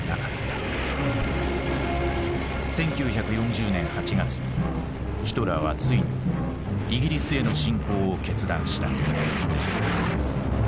１９４０年８月ヒトラーはついにイギリスへの侵攻を決断した。